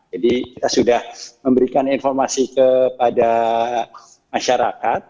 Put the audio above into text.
jadi kita sudah memberikan informasi kepada masyarakat